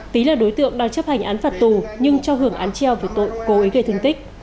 tý là đối tượng đang chấp hành án phạt tù nhưng cho hưởng án treo về tội cố ý gây thương tích